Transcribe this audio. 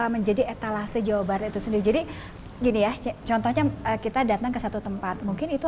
menjadi etalase jawa barat itu sendiri jadi gini ya contohnya kita datang ke satu tempat mungkin itu